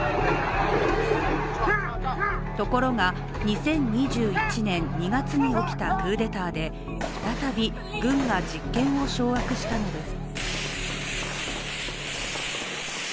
ところが、２０２１年２月に起きたクーデターで再び軍が実権を掌握したのです。